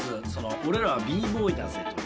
俺らはＢ−ＢＯＹだぜと。